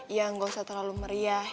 yang gak usah terlalu meriah